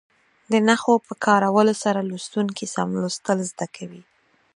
د نښو په کارولو سره لوستونکي سم لوستل زده کوي.